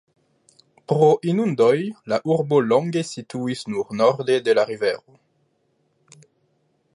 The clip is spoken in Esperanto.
Pro inundoj, la urbo longe situis nur norde de la rivero.